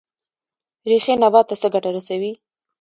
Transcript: ریښې نبات ته څه ګټه رسوي؟